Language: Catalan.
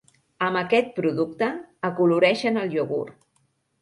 Amb aquest producte acoloreixen el iogurt.